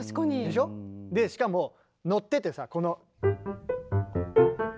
でしょ？でしかも乗っててさこの。